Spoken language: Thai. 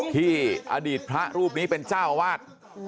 ที่อดีตพระรูปนี้เป็นเจ้าอาวาส